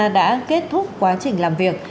đã kết thúc quá trình làm việc